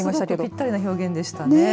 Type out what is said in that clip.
ぴったりな表現でしたね。